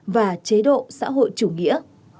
và chế độ xã hội chủ nghĩa